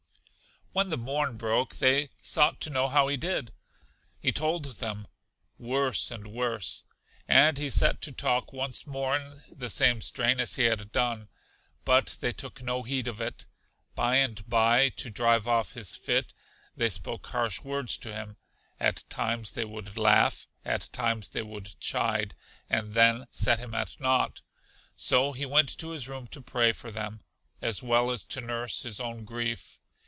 When the morn broke, they sought to know how he did? He told them, Worse and worse; and he set to talk once more in the same strain as he had done; but they took no heed of it. By and by, to drive off his fit, they spoke harsh words to him; at times they would laugh, at times they would chide, and then set him at nought. So he went to his room to pray for them, as well as to nurse his own grief.